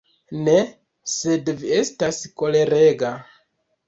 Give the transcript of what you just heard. Ne, sed vi estas kolerega.